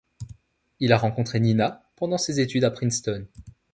Il a rencontré Nina pendant ses études à Princeton.